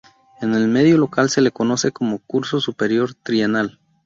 En el medio local se lo conoce como "Curso Superior Trienal".